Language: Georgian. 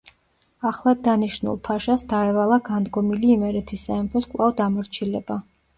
ახლად დანიშნულ ფაშას დაევალა განდგომილი იმერეთის სამეფოს კვლავ დამორჩილება.